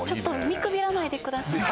見くびらないでください